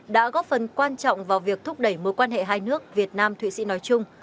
đã góp phần quan trọng vào việc thúc đẩy mối quan hệ hai nước việt nam thụy sĩ nói chung